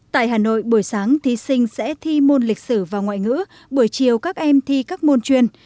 tại hà nội buổi sáng thí sinh sẽ thi môn lịch sử và ngoại ngữ buổi chiều các em thi các môn chuyên